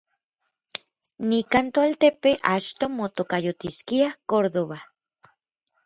Nikan toaltepe achto motokayotiskia Córdoba.